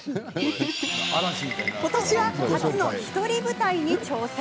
今年は初の一人舞台に挑戦。